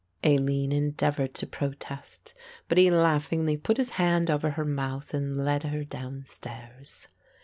Aline endeavoured to protest, but he laughingly put his hand over her mouth and led her down stairs.